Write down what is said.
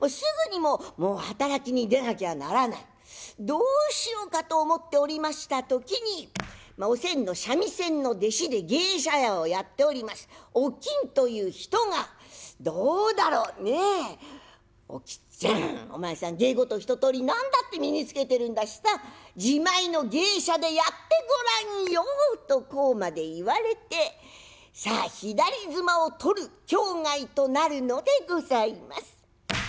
どうしようかと思っておりました時におせんの三味線の弟子で芸者屋をやっておりますおきんという人が「どうだろうねえおきっちゃんお前さん芸事一とおり何だって身につけてるんだしさ自前の芸者でやってごらんよ」とこうまで言われてさあ左褄を取る境涯となるのでございます。